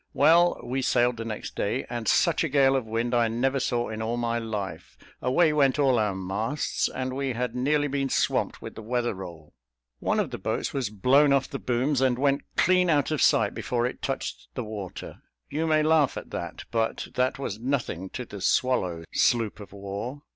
Well we sailed the next day; and such a gale of wind I never saw in all my life away went all our masts, and we had nearly been swamped with the weather roll. One of the boats was blown off the booms, and went clean out of sight before it touched the water. You may laugh at that, but that was nothing to the Swallow sloop of war.